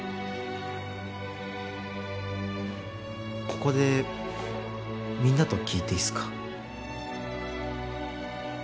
ここでみんなと聞いていいっすか？